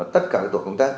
tất cả tổ công tác